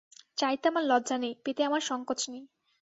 চাইতে আমার লজ্জা নেই, পেতে আমার সংকোচ নেই।